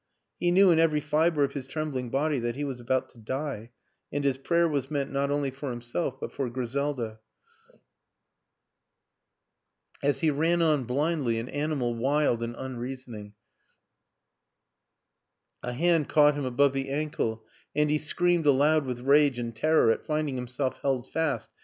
" He knew in every fiber of his trembling body that he was about to die, and his prayer was meant not only for himself WILLIAM AN ENGLISHMAN 129 but for Griselda. As he ran on blindly, an ani mal wild and unreasoning, a hand caught him above the ankle and he screamed aloud with rage and terror at finding himself held fast.